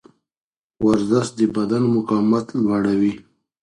ورزش د بدن مقاومت لوړوي.